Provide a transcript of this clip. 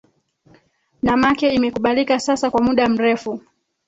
namake imekubalika sasa kwa muda mrefu